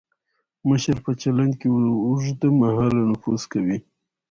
مشر په چلند کې اوږد مهاله نفوذ کوي.